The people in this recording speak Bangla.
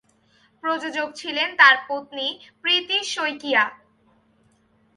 প্রযোজক ছিলেন তার পত্নী প্রীতি শইকীয়া।